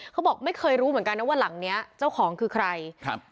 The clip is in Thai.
เขาบอกไม่เคยรู้เหมือนกันนะว่าหลังเนี้ยเจ้าของคือใครครับ